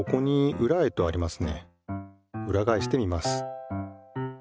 うらがえしてみます。